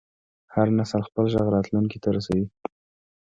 هر نسل خپل غږ راتلونکي ته رسوي.